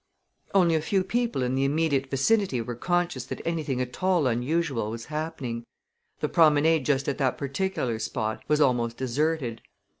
Only a few people in the immediate vicinity were conscious that anything at all unusual was happening. The promenade just at that particular spot was almost deserted.